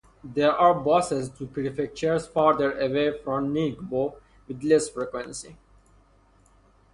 There are buses to prefectures farther away from Ningbo with less frequency.